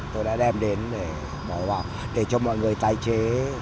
tôi đã đem đến để bỏ vào để cho mọi người tái chế